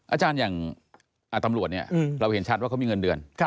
อาจารย์อย่างตำรวจเนี่ยเราเห็นชัดว่าเขามีเงินเดือน